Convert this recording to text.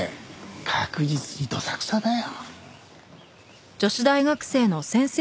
確実にどさくさだよ。